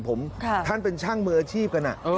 ผมท่านเป็นช่างมืออาชีพกัน